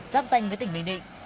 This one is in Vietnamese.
giáp tanh với tỉnh bình định